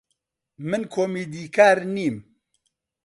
من کۆمیدیکار نیم.